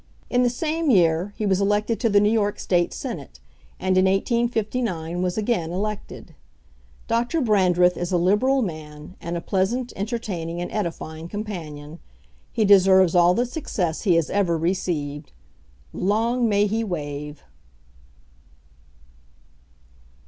In the same year, he was elected to the New York State Senate, and in 1859 was again elected. Dr. Brandreth is a liberal man and a pleasant, entertaining, and edifying companion. He deserves all the success he has ever received. "Long may he wave!"